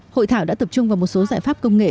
hội thảo đã tập trung vào một số giải pháp công nghệ